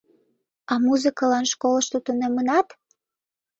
— А музыкылан школышто тунемынат?